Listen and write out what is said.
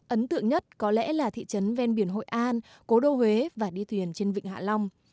ấn tượng nhất có lẽ là thị trấn ven biển hội an cố đô huế và đi thuyền trên vịnh hạ long